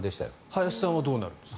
林さんはどうなるんですか。